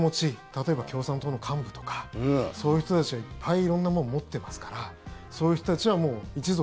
例えば共産党の幹部とかそういう人たちは、いっぱい色んなものを持ってますからそういう人たちは一族